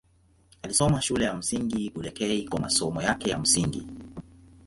Alisoma Shule ya Msingi Bulekei kwa masomo yake ya msingi.